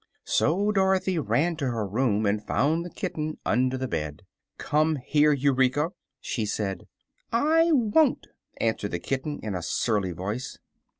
So Dorothy ran to her room and found the kitten under the bed. "Come here, Eureka!" she said. "I won't," answered the kitten, in a surly voice.